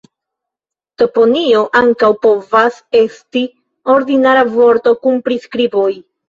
Toponimo ankaŭ povas esti ordinara vorto kun priskriboj.